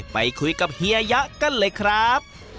ไปคุยกับเฮียยะกันเลยครับ